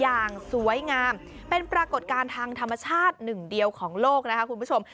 อย่างสวยงามเป็นปรากฏการณ์ทางธรรมชาติหนึ่งเดียวของโลกนะคะคุณผู้ชม